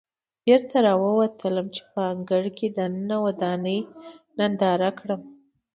بېرته راووتلم چې په انګړ کې دننه ودانۍ ننداره کړم.